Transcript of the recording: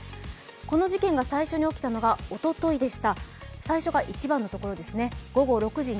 この事件が最初に起きたのがおとといでした。